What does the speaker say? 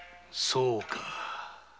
そうか。